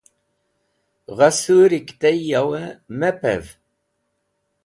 gha suri ki tey yow mey pev